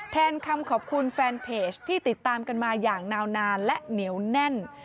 แทนคำขอบคุณแฟนเพจที่ติดตามกันมาอย่างนาวนานและเหนียวแน่น